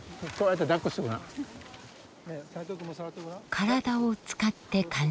「身体を使って感じる」。